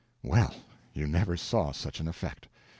Well, you never saw such an effect!